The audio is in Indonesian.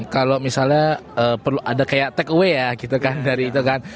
kalau misalnya perlu ada kayak take away ya gitu kan